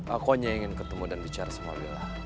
aku hanya ingin ketemu dan bicara sama bella